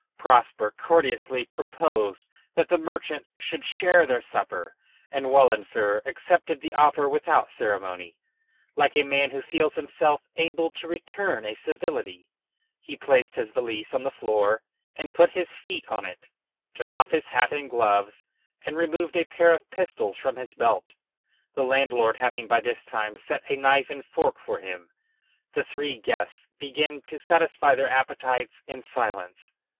] Prosper courteously proposed that the merchant should share their supper, and Wahlenfer accepted the offer without ceremony, like a man who feels himself able to return a civility. He placed his valise on the floor and put his feet on it, took off his hat and gloves and removed a pair of pistols from his belt; the landlord having by this time set a knife and fork for him, the three guests began to satisfy their appetites in silence.